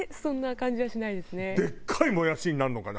でっかいもやしになるのかな？